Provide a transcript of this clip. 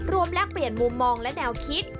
แลกเปลี่ยนมุมมองและแนวคิด